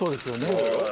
そうよ。